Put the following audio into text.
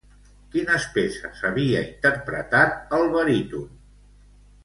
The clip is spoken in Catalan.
Quines peces havia interpretat el baríton?